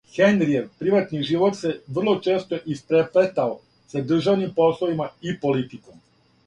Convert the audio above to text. Хенријев приватни живот се врло често испреплетао са државним пословима и политиком.